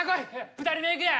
２人目行くで！